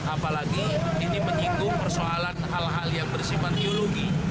apalagi ini menyinggung persoalan hal hal yang bersifat ideologi